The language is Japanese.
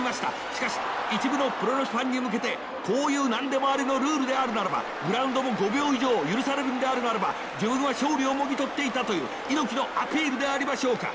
しかし一部のプロレスファンに向けてこういう何でもありのルールであるならばグラウンドも５秒以上許されるんであるならば自分は勝利をもぎ取っていたという猪木のアピールでありましょうか。